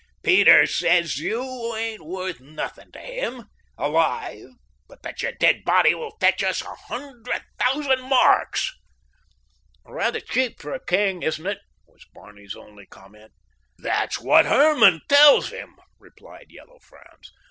"Peter says you ain't worth nothing to him—alive, but that your dead body will fetch us a hundred thousand marks." "Rather cheap for a king, isn't it?" was Barney's only comment. "That's what Herman tells him," replied Yellow Franz.